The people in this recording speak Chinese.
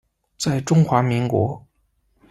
在中华民国。